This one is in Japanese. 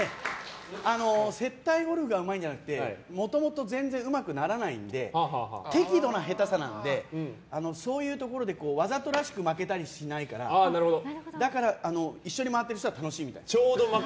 接待ゴルフがうまいんじゃなくてもともと全然うまくならないので適度な下手さなのでそういうところでわざとらしく負けたりしないからだから一緒に回ってる人は楽しいみたいです。